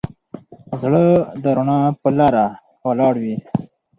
زړه د رڼا په لاره ولاړ وي.